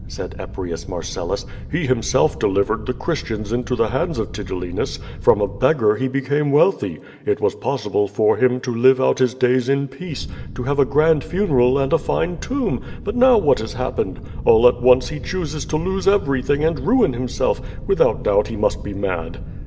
said Eprius Marcelus, ^^e himself delivered the Christians into the hands of Tigellinus; from a beggar he became wealthy; it was possible for him to live out his days in peace, to have a grand funeral and a fine tomb, but now what has happened? All at once he chooses to lose everything and ruin himself; without doubt he must be mad."